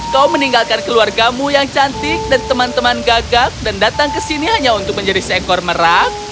kau meninggalkan keluargamu yang cantik dan teman teman gagak dan datang ke sini hanya untuk menjadi seekor merak